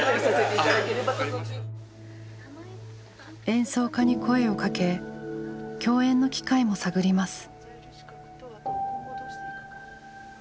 演奏家に声をかけ共演の機会も探ります。